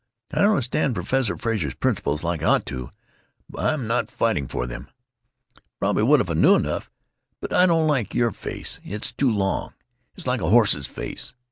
"I don't understand Professor Frazer's principles like I ought to. I'm not fighting for them. Prob'ly would if I knew enough. But I don't like your face. It's too long. It's like a horse's face.